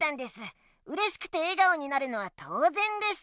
うれしくて笑顔になるのはとうぜんです。